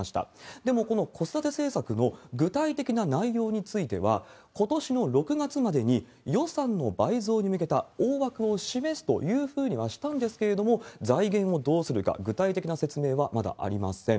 でもこの子育て政策の具体的な内容については、ことしの６月までに予算の倍増に向けた大枠を示すというふうにはしたんですけれども、財源をどうするか、具体的な説明はまだありません。